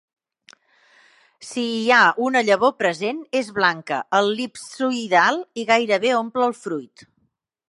Si hi ha una llavor present, és blanca, el·lipsoïdal, i gairebé omple el fruit.